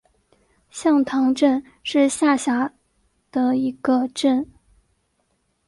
向塘镇是下辖的一个镇。